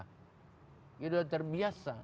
kita sudah terbiasa